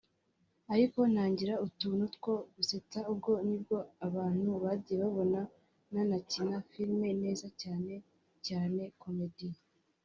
ariko ntangira utuntu two gusetsa ubwo nibwo abantu bagiye babona nanakina filime neza cyane cyane comedy